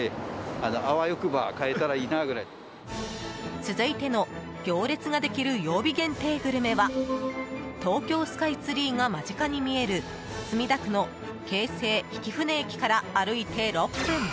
続いての行列が出来る曜日限定グルメは東京スカイツリーが間近に見える墨田区の京成曳舟駅から歩いて６分。